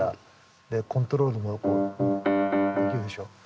でコントロールもできるでしょ。